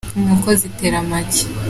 Inkoko zitera amagi.